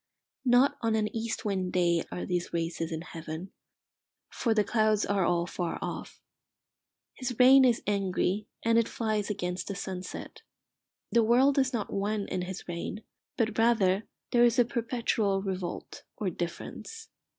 Not on an east wind day are these races in heaven, for the clouds are all far off. His rain is angry, and it flies against the sunset. The world is not one in his reign, but rather there is a perpetual revolt or difference.